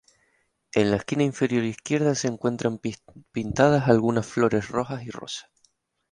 En la esquina inferior izquierda se encuentran pintadas algunas flores rojas y rosas.